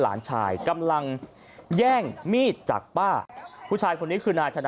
หลานชายกำลังแย่งมีดจากป้าผู้ชายคนนี้คือนายธนา